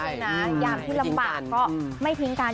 นะยามที่ลำบากก็ไม่ทิ้งกัน